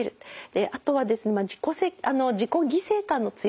あとは自己犠牲感の強い方。